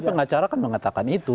pengacara kan mengatakan itu